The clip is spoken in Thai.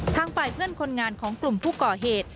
ทางฝ่ายเพื่อนคนงานของกลุ่มผู้ก่อเหตุ